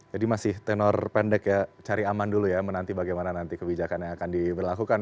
jadi masih tenor pendek ya cari aman dulu ya menanti bagaimana nanti kebijakan yang akan diberlakukan